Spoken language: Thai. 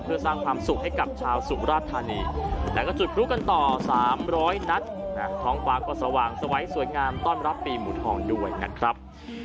เพื่อสร้างความสุขให้กับชาวสุมราชธานีแล้วก็จุดพลุกันต่อ๓๐๐นัดท้องฟ้าก็สว่างสวัยสวยงามต้อนรับปีหมูทองด้วยนะครับ